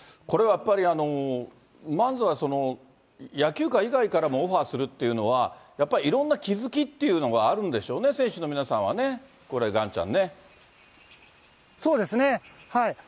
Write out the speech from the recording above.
これはやっぱり、まずは野球界以外からもオファーするっていうのは、やっぱりいろんな気付きっていうのがあるんでしょうね、選手の皆そうですね。